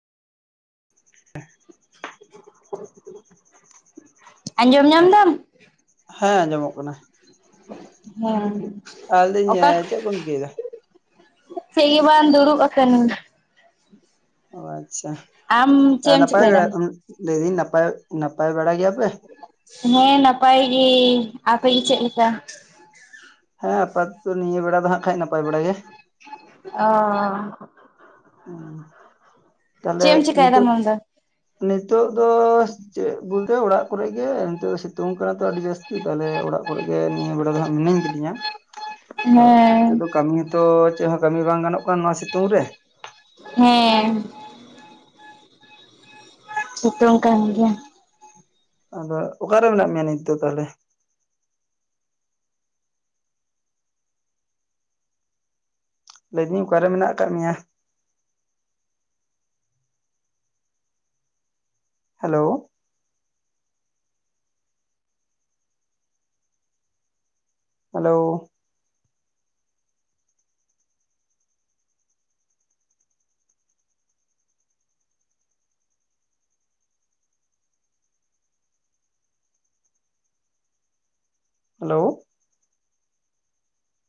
[inaudible] ᱟᱸᱡᱚᱢ ᱧᱟᱢ ᱮᱫᱟᱢ ᱦᱮᱸ ᱟᱸᱡᱚᱢᱚᱜ ᱠᱟᱱᱟ ᱦᱮᱸ ᱟᱨ ᱞᱟᱹᱭᱤᱧ ᱪᱮᱫ ᱠᱚᱢ ᱪᱤᱠᱟᱹᱭ ᱫᱟ ᱦᱜ ᱵᱟᱝ ᱫᱩᱲᱩᱵ ᱠᱟᱹᱱᱟᱹᱧ। ᱚ ᱟᱪᱪᱷᱟ ᱟᱢ ᱪᱮᱫ ᱮᱢ ᱱᱟᱯᱟᱭ ᱵᱟ ᱪᱤᱠᱟᱹᱭᱮᱫᱟ ᱞᱟᱹᱭᱫᱟᱹᱧ ᱱᱟᱯᱟᱭ ᱱᱟᱯᱟᱭ ᱵᱟᱲᱟ ᱜᱮᱭᱟ ᱯᱮ? ᱦᱮᱸ ᱱᱟᱯᱟᱭ ᱜᱮ ᱟᱯᱮᱜ ᱜᱮ᱾ ᱪᱮᱫ ᱞᱮᱠᱟ? ᱦᱮᱸ ᱟᱯᱟᱛᱚ ᱱᱤᱭᱟᱹ ᱵᱮᱲᱟ ᱫᱚ ᱦᱟᱸᱜ ᱠᱷᱟᱡ ᱱᱟᱯᱟᱭ ᱵᱟᱲᱟ ᱜᱮ ᱾ ᱚ ᱛᱟᱦᱞᱮ ᱪᱮᱫ ᱮᱢ ᱱᱤᱛ ᱪᱤᱠᱟᱹᱭᱮᱫᱟᱢ ᱟᱢ ᱫᱚ ᱱᱤᱛᱚᱜ ᱫᱚ ᱪᱮᱫ ᱵᱚᱞᱛᱮ ᱚ ᱚᱲᱟᱜ ᱠᱚᱨᱮ ᱜᱮ ᱱᱤᱛᱚᱜ ᱥᱤᱛᱩᱝ ᱠᱟᱱᱟ ᱛᱚ ᱟᱹᱰᱤ ᱡᱟᱹᱥᱛᱤ ᱛᱟᱦᱚᱞᱮ ᱚᱲᱟᱜ ᱠᱚᱨᱮ ᱜᱮ ᱱᱤᱭᱟᱹ ᱵᱮᱲᱟ ᱫᱚ ᱦᱟᱸᱜ ᱢᱤᱱᱟᱹᱧ ᱠᱤᱫᱤᱧᱟ ᱾ ᱦᱮᱸ ᱛᱚ ᱪᱮᱫ ᱦᱚᱸ ᱠᱟᱹᱢᱤ ᱵᱟᱝ ᱜᱟᱱᱚᱜ ᱠᱟᱱᱟ ᱱᱚᱣᱟ ᱥᱤᱛᱩᱝ ᱨᱮ ᱾ ᱦᱮᱸ ᱥᱤᱛᱩᱝ ᱠᱟᱱ ᱜᱮᱭᱟ ᱟᱫᱚ ᱚᱠᱟᱨᱮ ᱢᱮᱱᱟᱜ ᱢᱮᱭᱟ ᱱᱤᱛ ᱫᱚ ᱛᱟᱦᱚᱞᱮ? ᱞᱟᱹᱭᱫᱟᱹᱧ ᱚᱠᱟᱨᱮ ᱢᱮᱱᱟᱜ ᱟᱠᱟᱫ ᱢᱮᱭᱟ? Hello hello hello